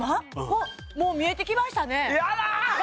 うんもう見えてきましたねやだ！